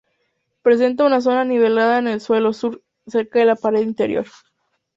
Presenta una zona nivelada en el suelo sur, cerca de la pared interior.